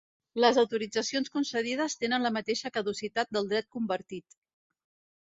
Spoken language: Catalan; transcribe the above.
Les autoritzacions concedides tenen la mateixa caducitat del dret convertit.